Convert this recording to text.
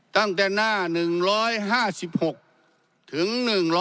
ตั้งแต่หน้า๑๕๖ถึง๑๕